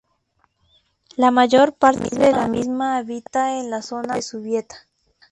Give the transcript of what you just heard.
La mayor parte de la misma habita en la zona norte de Zubieta.